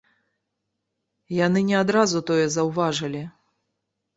Яны не адразу тое заўважылі.